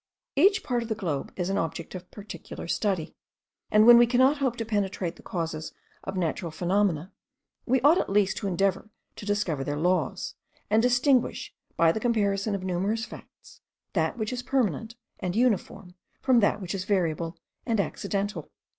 Each part of the globe is an object of particular study; and when we cannot hope to penetrate the causes of natural phenomena, we ought at least to endeavour to discover their laws, and distinguish, by the comparison of numerous facts, that which is permanent and uniform from that which is variable and accidental.